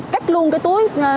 cách luôn cái túi